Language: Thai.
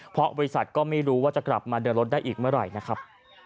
เพราะบริษัทก็ไม่รู้ว่าจะกลับมาเดินรถได้อีกเมื่อไหร่นะครับ